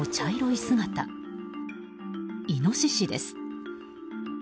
イノシシです。